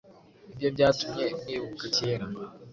Ibyo byatumye nibuka cyera